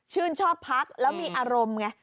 ชอบพักแล้วมีอารมณ์ไง